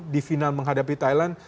di final menghadapi thailand